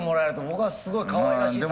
僕はすごいかわいらしい作品。